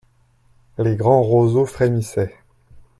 Les grands roseaux frémissaient.